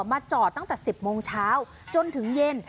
มาจอดตั้งแต่๑๐โมงเช้าจนถึงเย็น